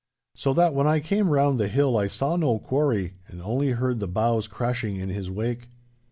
So that when I came round the hill I saw no quarry, and only heard the boughs crashing in his wake.